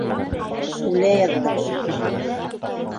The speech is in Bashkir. Үлә яҙҙым.